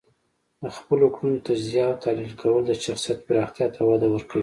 د خپلو کړنو تجزیه او تحلیل کول د شخصیت پراختیا ته وده ورکوي.